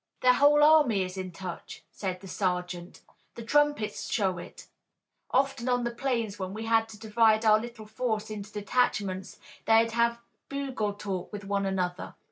"Their whole army is in touch," said the sergeant. "The trumpets show it. Often on the plains, when we had to divide our little force into detachments, they'd have bugle talk with one another.